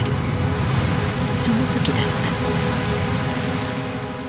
その時だった。